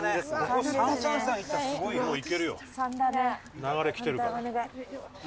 すごい！